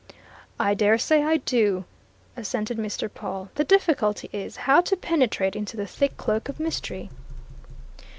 "I dare say I do," assented Mr. Pawle. "The difficulty is how to penetrate into the thick cloak of mystery."